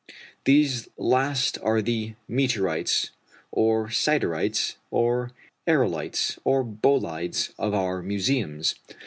These last are the meteorites, or siderites, or aërolites, or bolides, of our museums.